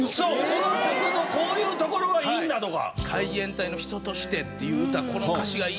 この曲のこういうところがいいんだとか？